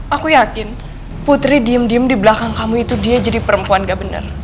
aku yakin putri diem diem di belakang kamu itu dia jadi perempuan gak bener